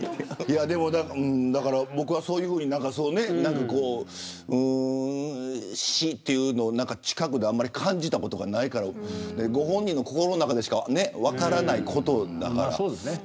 僕は、そういうふうに死というのを近くで感じたことがないからご本人の心の中でしか分からないことだから。